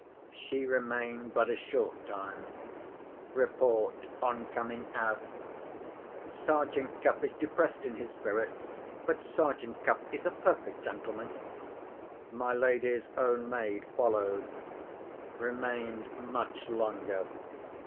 She remained but a short time. Report, on coming out: "Sergeant Cuff is depressed in his spirits; but Sergeant Cuff is a perfect gentleman." My lady's own maid followed. Remained much longer.